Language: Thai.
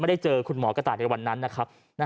ได้เจอคุณหมอกระต่ายในวันนั้นนะครับ